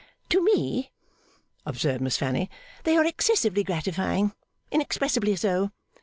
'To me,' observed Miss Fanny, 'they are excessively gratifying inexpressibly so.